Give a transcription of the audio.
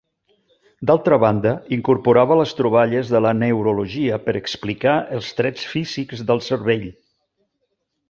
D'altra banda, incorporava les troballes de la neurologia per explicar els trets físics del cervell.